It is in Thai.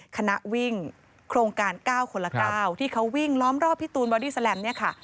คณะวิ่งโครงการ๙คนละ๙ที่เขาวิ่งล้อมรอบพี่ตูนบอดี้แลมเนี่ยค่ะ